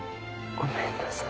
ごめんなさい。